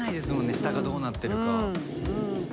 下がどうなってるか。